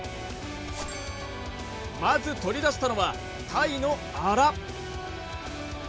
まず取り出したのは鯛のアラ